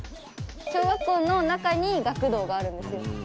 小学校の中に学童があるんですよ。